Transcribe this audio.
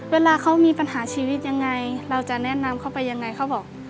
เวลาเขามีปัญหาชีวิตยังไงเราจะแนะนำเขาไปยังไงเขาบอก